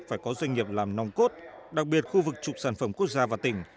phải có doanh nghiệp làm nòng cốt đặc biệt khu vực trục sản phẩm quốc gia và tỉnh